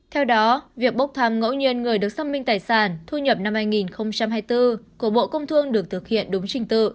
theo đó việc bốc thăm ngẫu nhiên người được xâm minh tài sản thu nhập năm hai nghìn hai mươi bốn của bộ công thương được thực hiện đúng trình tự